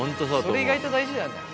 それ意外と大事だよね。